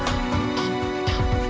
taruh di depan